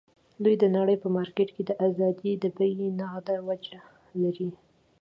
دوی د نړۍ په مارکېټ کې د ازادۍ د بیې نغده وجه لري.